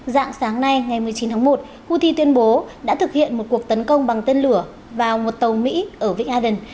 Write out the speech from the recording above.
dạng sáng nay ngày một mươi chín tháng một houthi tuyên bố đã thực hiện một cuộc tấn công bằng tên lửa vào một tàu mỹ ở vĩnh aden